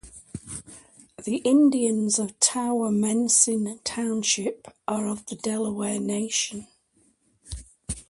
The Indians of Towamencin Township are of the Delaware Nation.